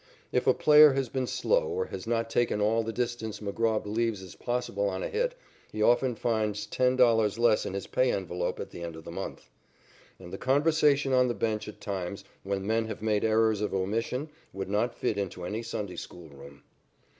If a player has been slow or has not taken all the distance McGraw believes is possible on a hit, he often finds $10 less in his pay envelope at the end of the month. And the conversation on the bench at times, when men have made errors of omission, would not fit into any Sunday school room.